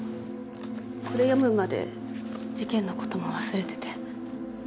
これ読むまで事件のことも忘れてて。